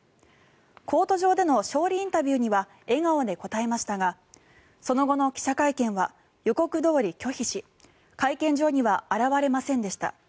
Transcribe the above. コート上での勝利インタビューには笑顔で応えましたがその後の記者会見は予告どおり、拒否し会見場には現れませんでした。